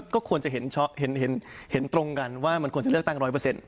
ก็ควรจะเห็นตรงกันว่ามันควรจะเลือกตั้ง๑๐๐